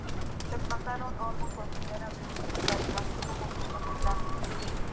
Se plantaron olmos por primera vez en España, así como setos de carpes.